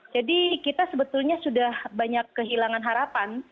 jadi kita sebetulnya sudah banyak kehilangan harapan